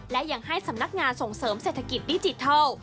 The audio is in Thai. และยังให้สำนักงานส่งเสริมเศรษฐกิจดิจิทัล